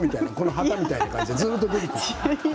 旗みたいな感じでずっと出てくるから。